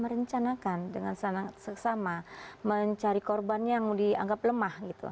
mereka mencanakan dengan seksama mencari korban yang dianggap lemah